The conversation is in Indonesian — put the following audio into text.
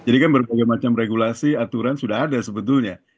jadi kan berbagai macam regulasi aturan sudah ada sebetulnya